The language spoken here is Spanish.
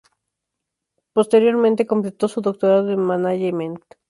Posteriormente completó su doctorado en management.